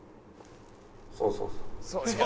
そうそうそう。